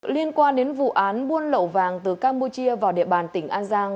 liên quan đến vụ án buôn lậu vàng từ campuchia vào địa bàn tỉnh an giang